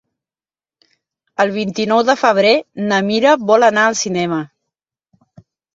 El vint-i-nou de febrer na Mira vol anar al cinema.